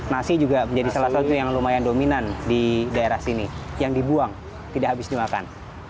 nasi juga menjadi salah satu yang lumayan dominan di daerah sini yang dibuang tidak habis dimakan